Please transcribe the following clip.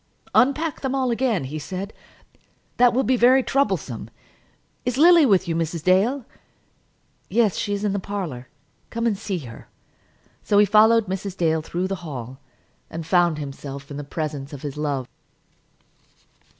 "Unpack them all again," he said. "That will be very troublesome. Is Lily with you, Mrs. Dale?" "Yes, she is in the parlour. Come and see her." So he followed Mrs. Dale through the hall, and found himself in the presence of his love.